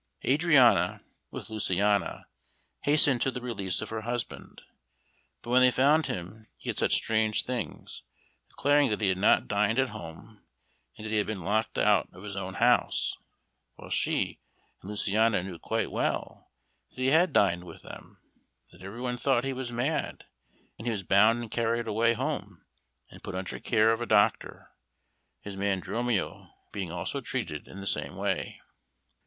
Adriana, with Luciana, hastened to the release of her husband, but when they found him he said such strange things declaring that he had not dined at home, and that he had been locked out of his own house, while she and Luciana knew quite well that he had dined with them that everyone thought he was mad, and he was bound and carried away home, and put under care of a doctor, his man Dromio being also treated in the same way.